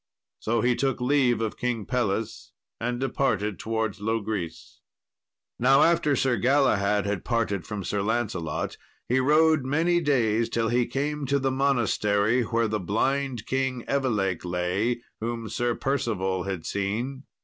So he took leave of King Pelles, and departed towards Logris. Now after Sir Galahad had parted from Sir Lancelot, he rode many days, till he came to the monastery where the blind King Evelake lay, whom Sir Percival had seen.